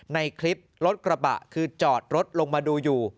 ในคลิปรถกระบะคือจอดรถลงมาดูอยู่